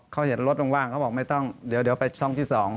เขาเห็นรถว่างเขาบอกไม่ต้องเดี๋ยวไปช่องที่๒